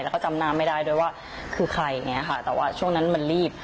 แล้วก็จำหน้าไม่ได้ด้วยว่าคือใครอย่างเงี้ยค่ะแต่ว่าช่วงนั้นมันรีบ